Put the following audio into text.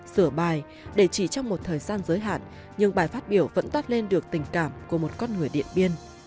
sửa bài để chỉ trong một thời gian giới hạn nhưng bài phát biểu vẫn toát lên được tình cảm của một con người điện biên